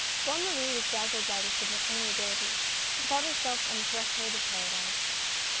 Bonne Marie was dazzled by this amiability, and thought herself on the threshold of Paradise.